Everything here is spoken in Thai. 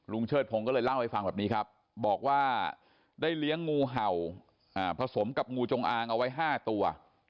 เชิดพงศ์ก็เลยเล่าให้ฟังแบบนี้ครับบอกว่าได้เลี้ยงงูเห่าผสมกับงูจงอางเอาไว้๕ตัว